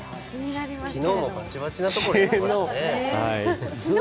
昨日もバチバチなところ撮りましたよね。